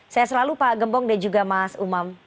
saya selalu pak gembong dan juga mas umam